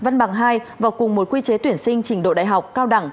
thứ hai vào cùng một quy chế tuyển sinh trình độ đại học cao đẳng